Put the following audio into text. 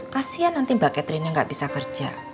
kasihan nanti mbak catherine nya gak bisa kerja